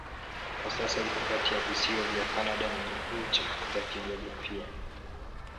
Kwa sasa iko kati ya visiwa vya Kanada na ncha ya kijiografia.